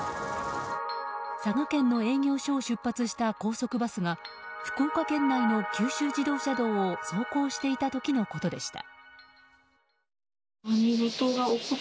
佐賀県の営業所を出発した高速バスが福岡県内の九州自動車道を走行していた時のことでした。